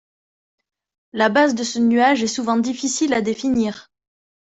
La base de ce nuage est souvent difficile à définir.